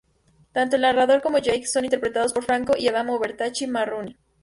Tanto el narrador como Jake son interpretados por Franco y Adamo Bertacchi-Morroni.